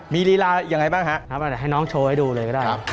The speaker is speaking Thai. มีลีลาอย่างไรบ้างฮะให้น้องโชว์ให้ดูเลยก็ได้